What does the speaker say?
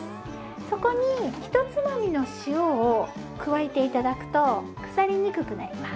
そこにひとつまみの塩を加えて頂くと腐りにくくなります。